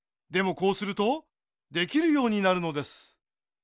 こうするとできるようになるのです。